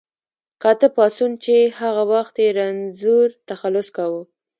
کاتب پاڅون چې هغه وخت یې رنځور تخلص کاوه.